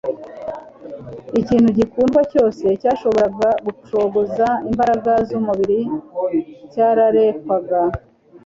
ikintu gikundwa cyose cyashoboraga gucogoza imbaraga z'umubiri cyararekwaga